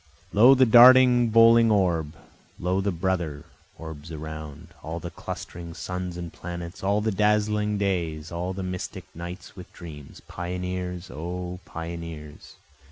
Lo, the darting bowling orb! Lo, the brother orbs around, all the clustering suns and planets, All the dazzling days, all the mystic nights with dreams, Pioneers! O pioneers!